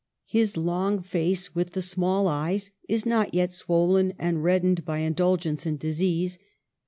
His long face, with the small eyes, is not yet swollen and reddened by indul gence and disease.